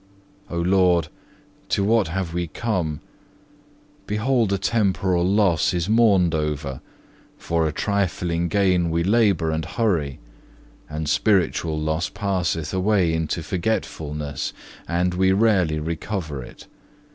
2. O Lord, to what have we come? Behold a temporal loss is mourned over; for a trifling gain we labour and hurry; and spiritual loss passeth away into forgetfulness, and we rarely recover it.